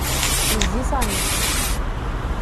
Yezzi Sami.